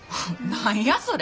何やそれ。